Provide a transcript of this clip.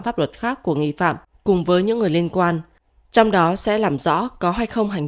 pháp luật khác của nghi phạm cùng với những người liên quan trong đó sẽ làm rõ có hay không hành